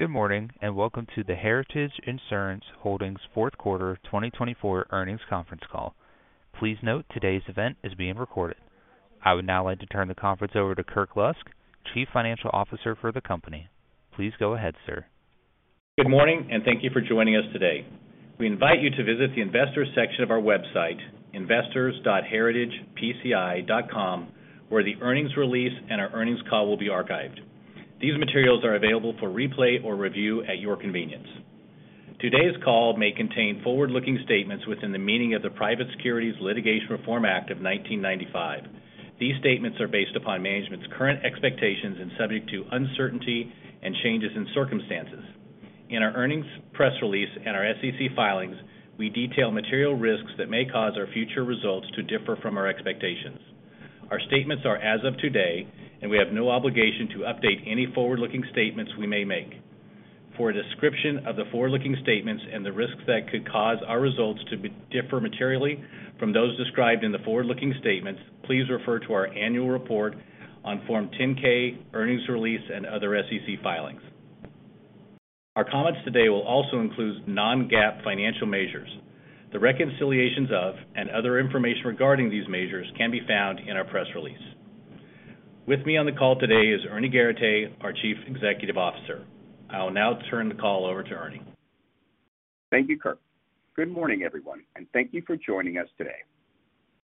Good morning and welcome to the Heritage Insurance Holdings fourth quarter 2024 earnings conference call. Please note today's event is being recorded. I would now like to turn the conference over to Kirk Lusk, Chief Financial Officer for the company. Please go ahead, sir. Good morning and thank you for joining us today. We invite you to visit the investor section of our website, investors.heritagepci.com, where the earnings release and our earnings call will be archived. These materials are available for replay or review at your convenience. Today's call may contain forward-looking statements within the meaning of the Private Securities Litigation Reform Act of 1995. These statements are based upon management's current expectations and subject to uncertainty and changes in circumstances. In our earnings press release and our SEC filings, we detail material risks that may cause our future results to differ from our expectations. Our statements are as of today, and we have no obligation to update any forward-looking statements we may make. For a description of the forward-looking statements and the risks that could cause our results to differ materially from those described in the forward-looking statements, please refer to our annual report on Form 10-K, earnings release, and other SEC filings. Our comments today will also include non-GAAP financial measures. The reconciliations of and other information regarding these measures can be found in our press release. With me on the call today is Ernie Garateix, our Chief Executive Officer. I'll now turn the call over to Ernie. Thank you, Kirk. Good morning, everyone, and thank you for joining us today.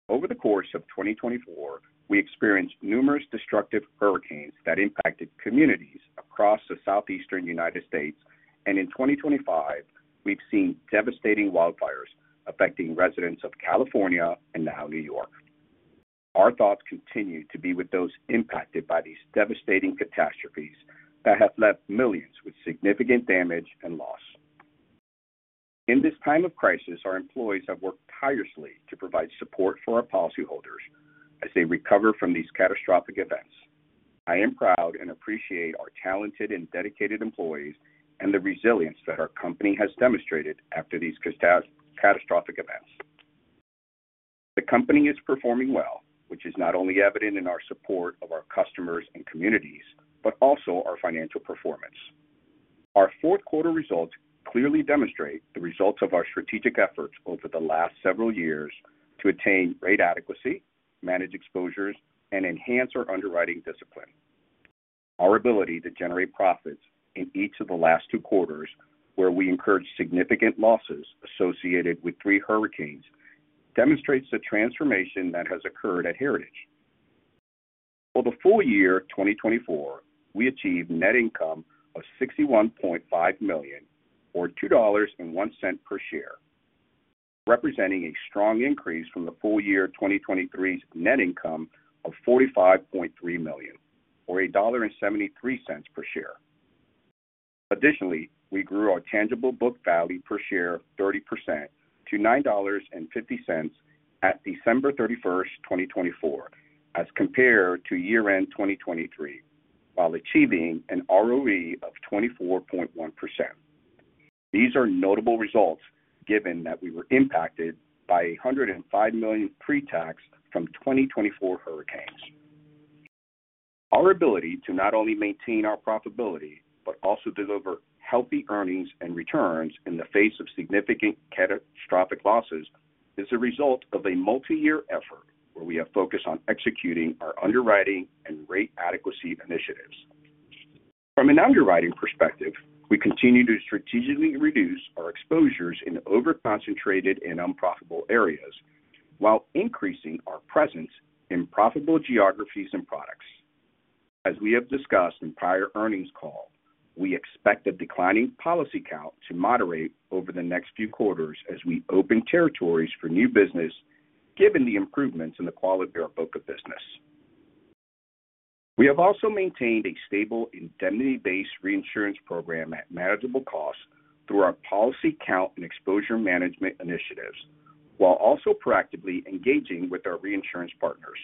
Over the course of 2024, we experienced numerous destructive hurricanes that impacted communities across the southeastern United States, and in 2025, we've seen devastating wildfires affecting residents of California and now New York. Our thoughts continue to be with those impacted by these devastating catastrophes that have left millions with significant damage and loss. In this time of crisis, our employees have worked tirelessly to provide support for our policyholders as they recover from these catastrophic events. I am proud and appreciate our talented and dedicated employees and the resilience that our company has demonstrated after these catastrophic events. The company is performing well, which is not only evident in our support of our customers and communities but also our financial performance. Our fourth quarter results clearly demonstrate the results of our strategic efforts over the last several years to attain rate adequacy, manage exposures, and enhance our underwriting discipline. Our ability to generate profits in each of the last two quarters, where we incurred significant losses associated with three hurricanes, demonstrates the transformation that has occurred at Heritage. For the full year 2024, we achieved net income of $61.5 million, or $2.01 per share, representing a strong increase from the full year 2023's net income of $45.3 million, or $1.73 per share. Additionally, we grew our tangible book value per share 30% to $9.50 at December 31st, 2024, as compared to year-end 2023, while achieving an ROE of 24.1%. These are notable results given that we were impacted by $105 million pre-tax from 2024 hurricanes. Our ability to not only maintain our profitability but also deliver healthy earnings and returns in the face of significant catastrophic losses is a result of a multi-year effort where we have focused on executing our underwriting and rate adequacy initiatives. From an underwriting perspective, we continue to strategically reduce our exposures in over-concentrated and unprofitable areas while increasing our presence in profitable geographies and products. As we have discussed in prior earnings call, we expect a declining policy count to moderate over the next few quarters as we open territories for new business, given the improvements in the quality of our book of business. We have also maintained a stable indemnity-based reinsurance program at manageable costs through our policy count and exposure management initiatives, while also proactively engaging with our reinsurance partners.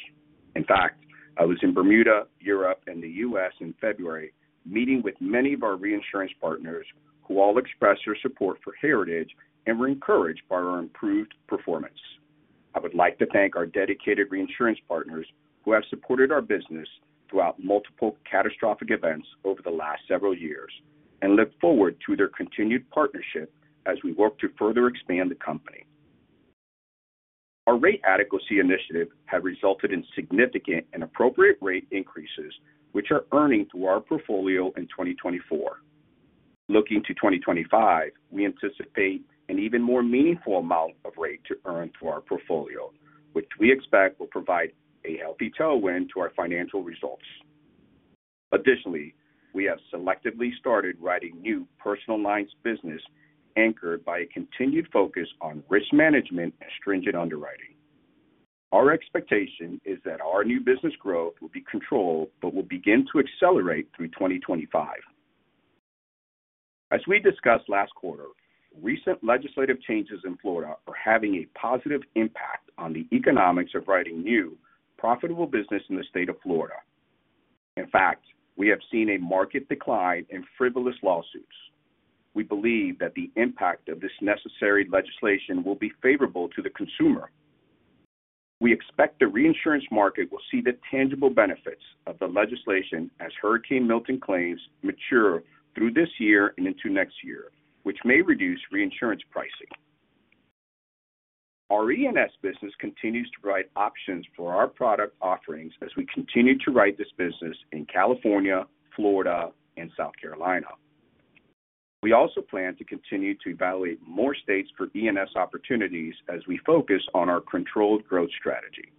In fact, I was in Bermuda, Europe, and the U.S. In February, meeting with many of our reinsurance partners who all expressed their support for Heritage and were encouraged by our improved performance. I would like to thank our dedicated reinsurance partners who have supported our business throughout multiple catastrophic events over the last several years and look forward to their continued partnership as we work to further expand the company. Our rate adequacy initiative has resulted in significant and appropriate rate increases, which are earning through our portfolio in 2024. Looking to 2025, we anticipate an even more meaningful amount of rate to earn through our portfolio, which we expect will provide a healthy tailwind to our financial results. Additionally, we have selectively started writing new personal lines of business anchored by a continued focus on risk management and stringent underwriting. Our expectation is that our new business growth will be controlled but will begin to accelerate through 2025. As we discussed last quarter, recent legislative changes in Florida are having a positive impact on the economics of writing new, profitable business in the state of Florida. In fact, we have seen a marked decline in frivolous lawsuits. We believe that the impact of this necessary legislation will be favorable to the consumer. We expect the reinsurance market will see the tangible benefits of the legislation as Hurricane Milton claims mature through this year and into next year, which may reduce reinsurance pricing. Our E&S business continues to provide options for our product offerings as we continue to write this business in California, Florida, and South Carolina. We also plan to continue to evaluate more states for E&S opportunities as we focus on our controlled growth strategy.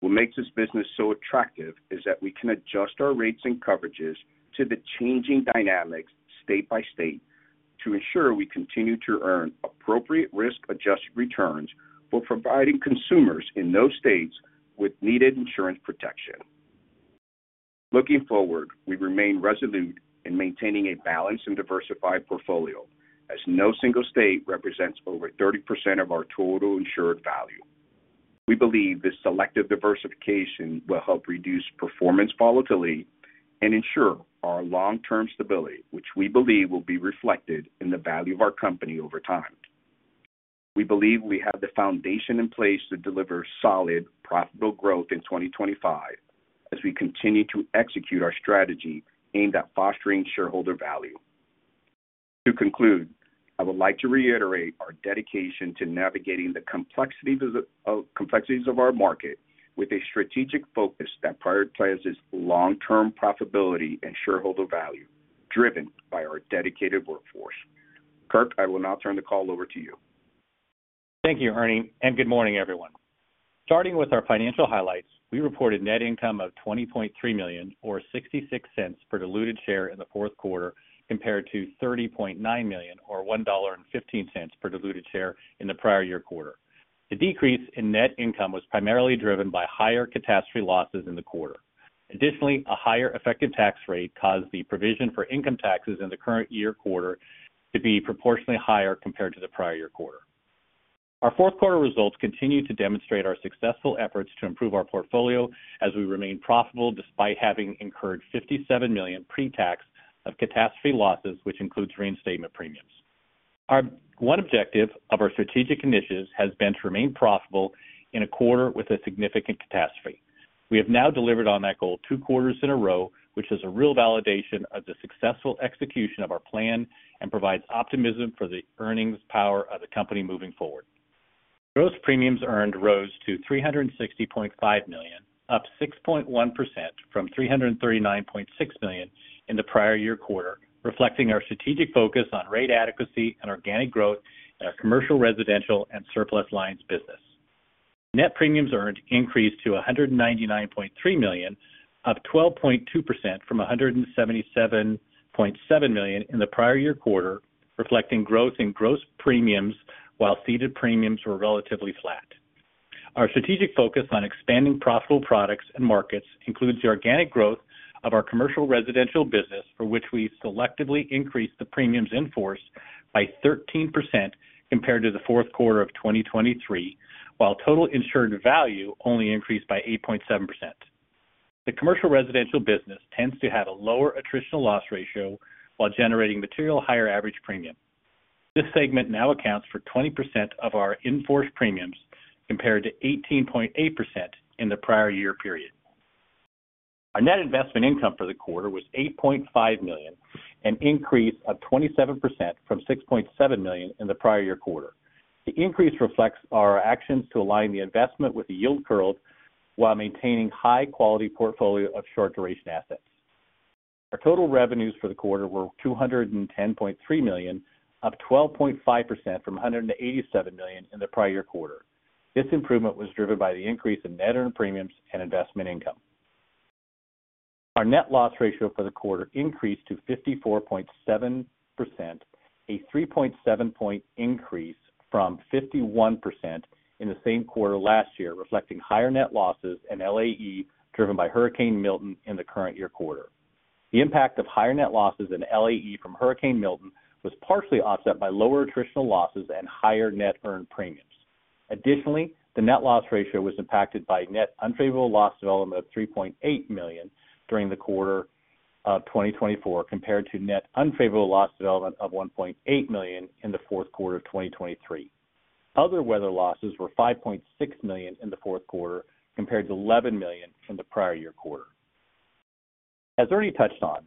What makes this business so attractive is that we can adjust our rates and coverages to the changing dynamics state by state to ensure we continue to earn appropriate risk-adjusted returns while providing consumers in those states with needed insurance protection. Looking forward, we remain resolute in maintaining a balanced and diversified portfolio as no single state represents over 30% of our total insured value. We believe this selective diversification will help reduce performance volatility and ensure our long-term stability, which we believe will be reflected in the value of our company over time. We believe we have the foundation in place to deliver solid, profitable growth in 2025 as we continue to execute our strategy aimed at fostering shareholder value. To conclude, I would like to reiterate our dedication to navigating the complexities of our market with a strategic focus that prioritizes long-term profitability and shareholder value driven by our dedicated workforce. Kirk, I will now turn the call over to you. Thank you, Ernie, and good morning, everyone. Starting with our financial highlights, we reported net income of $20.3 million, or $0.66 per diluted share in the fourth quarter, compared to $30.9 million, or $1.15 per diluted share in the prior year quarter. The decrease in net income was primarily driven by higher catastrophe losses in the quarter. Additionally, a higher effective tax rate caused the provision for income taxes in the current year quarter to be proportionately higher compared to the prior year quarter. Our fourth quarter results continue to demonstrate our successful efforts to improve our portfolio as we remain profitable despite having incurred $57 million pre-tax of catastrophe losses, which includes reinstatement premiums. One objective of our strategic initiatives has been to remain profitable in a quarter with a significant catastrophe. We have now delivered on that goal two quarters in a row, which is a real validation of the successful execution of our plan and provides optimism for the earnings power of the company moving forward. Gross premiums earned rose to $360.5 million, up 6.1% from $339.6 million in the prior year quarter, reflecting our strategic focus on rate adequacy and organic growth in our commercial residential and surplus lines business. Net premiums earned increased to $199.3 million, up 12.2% from $177.7 million in the prior year quarter, reflecting growth in gross premiums while ceded premiums were relatively flat. Our strategic focus on expanding profitable products and markets includes the organic growth of our commercial residential business, for which we selectively increased the premiums in force by 13% compared to the fourth quarter of 2023, while total insured value only increased by 8.7%. The commercial residential business tends to have a lower attritional loss ratio while generating materially higher average premium. This segment now accounts for 20% of our in-force premiums compared to 18.8% in the prior year period. Our net investment income for the quarter was $8.5 million, an increase of 27% from $6.7 million in the prior year quarter. The increase reflects our actions to align the investment with the yield curve while maintaining a high-quality portfolio of short-duration assets. Our total revenues for the quarter were $210.3 million, up 12.5% from $187 million in the prior year quarter. This improvement was driven by the increase in net earned premiums and investment income. Our net loss ratio for the quarter increased to 54.7%, a 3.7-point increase from 51% in the same quarter last year, reflecting higher net losses and LAE driven by Hurricane Milton in the current year quarter. The impact of higher net losses and LAE from Hurricane Milton was partially offset by lower attritional losses and higher net earned premiums. Additionally, the net loss ratio was impacted by net unfavorable loss development of $3.8 million during the quarter of 2024 compared to net unfavorable loss development of $1.8 million in the fourth quarter of 2023. Other weather losses were $5.6 million in the fourth quarter compared to $11 million in the prior year quarter. As Ernie touched on,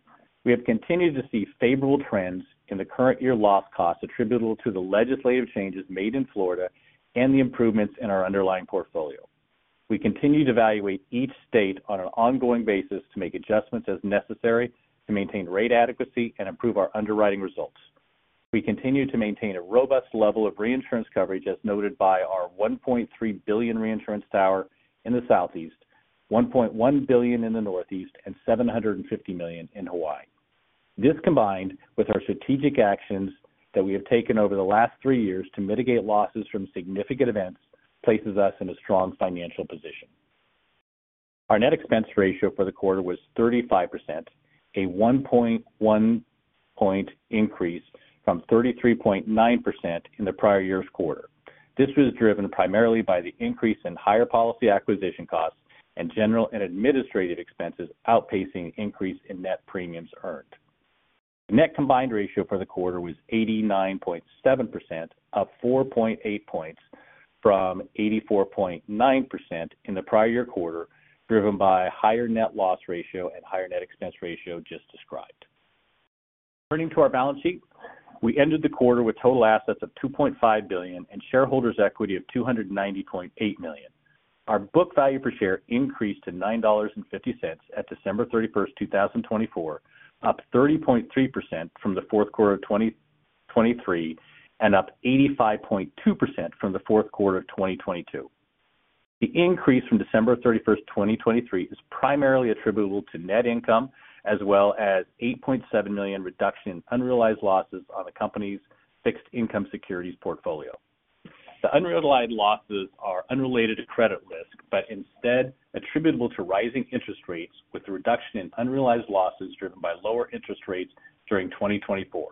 we have continued to see favorable trends in the current year loss costs attributable to the legislative changes made in Florida and the improvements in our underlying portfolio. We continue to evaluate each state on an ongoing basis to make adjustments as necessary to maintain rate adequacy and improve our underwriting results. We continue to maintain a robust level of reinsurance coverage as noted by our $1.3 billion reinsurance tower in the southeast, $1.1 billion in the northeast, and $750 million in Hawaii. This, combined with our strategic actions that we have taken over the last three years to mitigate losses from significant events, places us in a strong financial position. Our net expense ratio for the quarter was 35%, a 1.1 percentage point increase from 33.9% in the prior year's quarter. This was driven primarily by the increase in higher policy acquisition costs and general and administrative expenses outpacing the increase in net premiums earned. The net combined ratio for the quarter was 89.7%, up 4.8 percentage points from 84.9% in the prior year quarter, driven by a higher net loss ratio and higher net expense ratio just described. Turning to our balance sheet, we ended the quarter with total assets of $2.5 billion and shareholders' equity of $290.8 million. Our book value per share increased to $9.50 at December 31st, 2024, up 30.3% from the fourth quarter of 2023 and up 85.2% from the fourth quarter of 2022. The increase from December 31st, 2023, is primarily attributable to net income as well as an $8.7 million reduction in unrealized losses on the company's fixed income securities portfolio. The unrealized losses are unrelated to credit risk but instead attributable to rising interest rates with the reduction in unrealized losses driven by lower interest rates during 2024.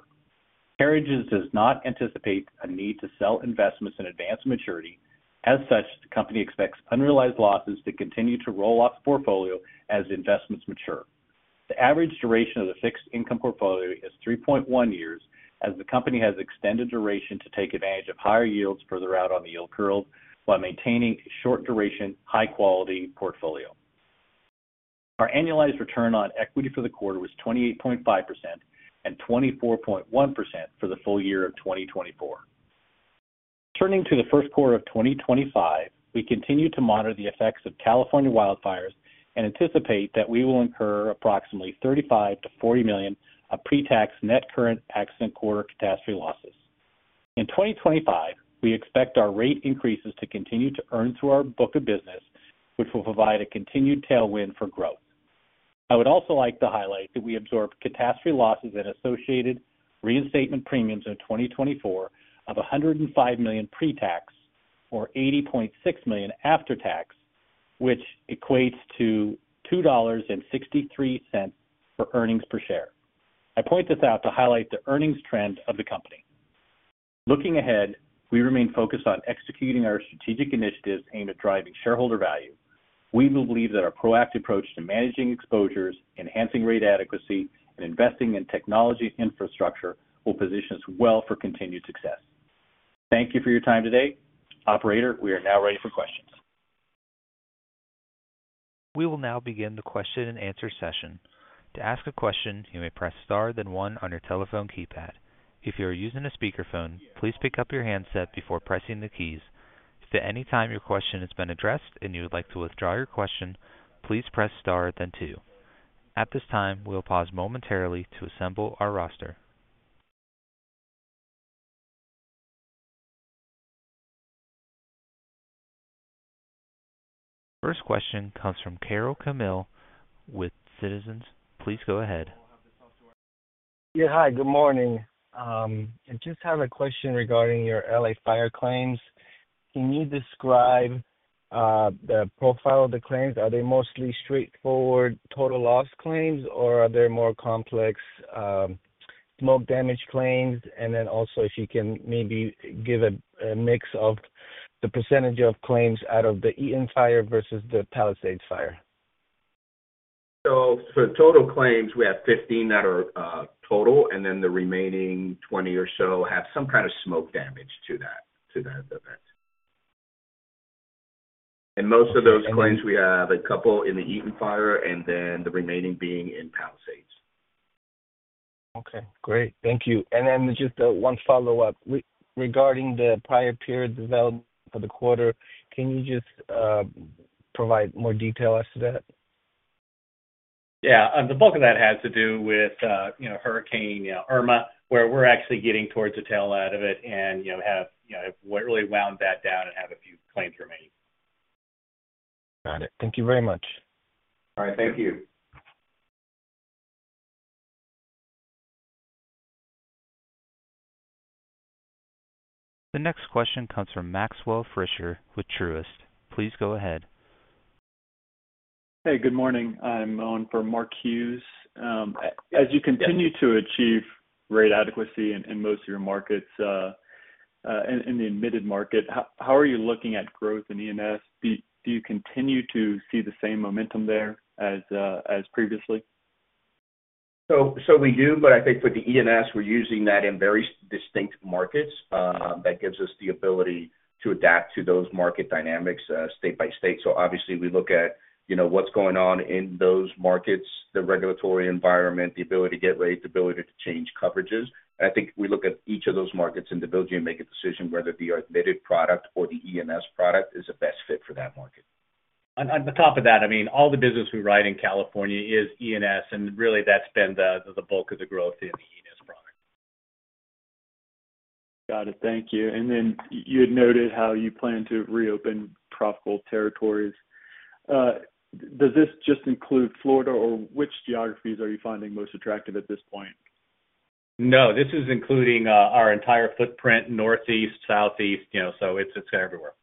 Heritage does not anticipate a need to sell investments in advance of maturity. As such, the company expects unrealized losses to continue to roll off the portfolio as investments mature. The average duration of the fixed income portfolio is 3.1 years as the company has extended duration to take advantage of higher yields further out on the yield curve while maintaining a short-duration, high-quality portfolio. Our annualized return on equity for the quarter was 28.5% and 24.1% for the full year of 2024. Turning to the first quarter of 2025, we continue to monitor the effects of California wildfires and anticipate that we will incur approximately $35 million-$40 million of pre-tax net current accident quarter catastrophe losses. In 2025, we expect our rate increases to continue to earn through our book of business, which will provide a continued tailwind for growth. I would also like to highlight that we absorbed catastrophe losses and associated reinstatement premiums in 2024 of $105 million pre-tax or $80.6 million after tax, which equates to $2.63 for earnings per share. I point this out to highlight the earnings trend of the company. Looking ahead, we remain focused on executing our strategic initiatives aimed at driving shareholder value. We believe that our proactive approach to managing exposures, enhancing rate adequacy, and investing in technology infrastructure will position us well for continued success. Thank you for your time today. Operator, we are now ready for questions. We will now begin the question-and-answer session. To ask a question, you may press star then one on your telephone keypad. If you are using a speakerphone, please pick up your handset before pressing the keys. If at any time your question has been addressed and you would like to withdraw your question, please press star then two. At this time, we'll pause momentarily to assemble our roster. Our first question comes from Karol Chmiel with Citizens. Please go ahead. Yeah, hi. Good morning. I just have a question regarding your L.A. fire claims. Can you describe the profile of the claims? Are they mostly straightforward total loss claims, or are there more complex smoke damage claims? If you can maybe give a mix of the percentage of claims out of the Eaton fire versus the Palisades fire. For total claims, we have 15 that are total, and then the remaining 20 or so have some kind of smoke damage to that event. Most of those claims, we have a couple in the Eaton fire and then the remaining being in Palisades. Okay. Great. Thank you. Just one follow-up regarding the prior period development for the quarter. Can you just provide more detail as to that? Yeah. The bulk of that has to do with Hurricane Irma, where we're actually getting towards the tail end of it and have really wound that down and have a few claims remain. Got it. Thank you very much. All right. Thank you. The next question comes from Maxwell Fischer with Truist. Please go ahead. Hey, good morning. I'm on for [Mark Hughes]. As you continue to achieve rate adequacy in most of your markets in the admitted market, how are you looking at growth in E&S? Do you continue to see the same momentum there as previously? We do, but I think for the E&S, we're using that in very distinct markets. That gives us the ability to adapt to those market dynamics state by state. Obviously, we look at what's going on in those markets, the regulatory environment, the ability to get rate, the ability to change coverages. I think we look at each of those markets individually and make a decision whether the admitted product or the E&S product is the best fit for that market. On top of that, I mean, all the business we write in California is E&S, and really that's been the bulk of the growth in the E&S product. Got it. Thank you. You had noted how you plan to reopen profitable territories. Does this just include Florida, or which geographies are you finding most attractive at this point? No, this is including our entire footprint, northeast, southeast. It is everywhere.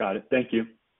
Got it. Thank you.